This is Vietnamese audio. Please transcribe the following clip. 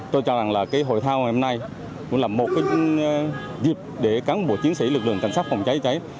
tôi cho rằng hội thao hôm nay cũng là một dịp để các bộ chiến sĩ lực lượng cảnh sát phòng cháy cháy